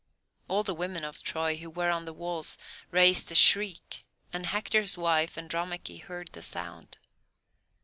All the women of Troy who were on the walls raised a shriek, and Hector's wife, Andromache, heard the sound.